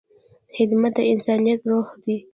خدمت د انسانیت روح دی.